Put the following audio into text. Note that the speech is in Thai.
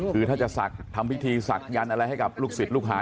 คือถ้าจะศักดิ์ทำพิธีศักดิ์อะไรให้กับลูกศิษย์ลูกหา